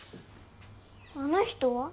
あの人は？